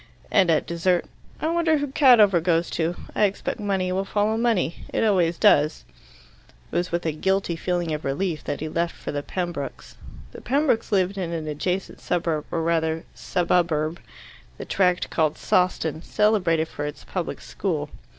And at dessert: "I wonder who Cadover goes to? I expect money will follow money. It always does." It was with a guilty feeling of relief that he left for the Pembrokes'. The Pembrokes lived in an adjacent suburb, or rather "sububurb," the tract called Sawston, celebrated for its public school.